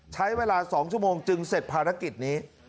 ใช้เวลา๒ชั่วโมงจึงเสร็จภารกิจนี้